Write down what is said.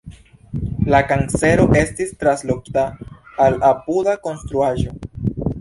La karcero estis translokita al apuda konstruaĵo.